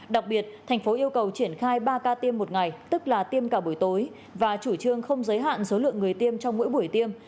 đặc biệt thành phố yêu cầu triển khai ba ca tiêm một ngày tức là tiêm cả buổi tối và chủ trương không giới hạn số lượng người tiêm trong mỗi buổi tiêm